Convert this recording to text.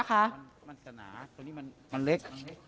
มันจะหนาตรงนี้มันมันเล็กมันเล็ก